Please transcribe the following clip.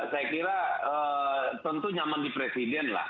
saya kira tentu nyaman di presiden lah